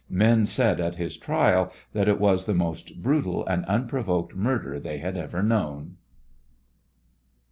Men said at his trial that it was the most brutal and unprovoked murder they had ever known.